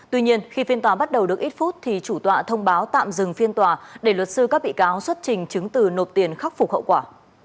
tuy nhiên khi phiên tòa bắt đầu được ít phút thì chủ tọa thông báo tạm dừng phiên tòa để luật sư các bị cáo xuất trình chứng từ nộp tiền khắc phục hậu quả